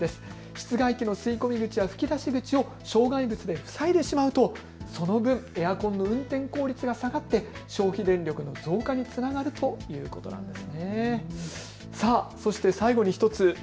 室外機の吸い込み口や吹き出し口を障害物で塞いでしまうとその分、エアコンの運転効率が下がって消費電力の増加につながるということなんです。